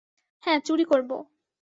হ্যা, চুরি করবো।